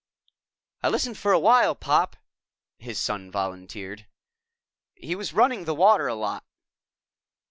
"I listened for a while, Pop," his son volunteered. "He was running the water a lot."